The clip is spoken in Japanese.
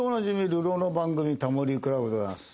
流浪の番組『タモリ倶楽部』でございます。